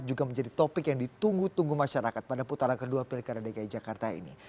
juga menjadi topik yang ditunggu tunggu masyarakat pada putara kedua pilih kdki jakarta ini